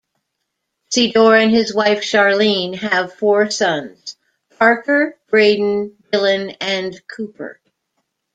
Sydor and his wife Sharlene have four sons: Parker, Braden, Dylan and Cooper.